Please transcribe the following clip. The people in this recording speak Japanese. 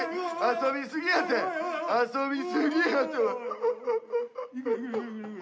遊びすぎやて遊びすぎやて。